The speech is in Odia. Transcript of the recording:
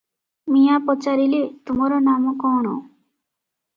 ମିଆଁ ପଚାରିଲେ,"ତୁମର ନାମ କଅଣ?"